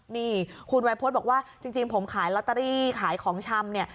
นี่คุณวัยพฤษบอกว่าจริงผมขายลอตเตอรี่ขายของชำเนี่ย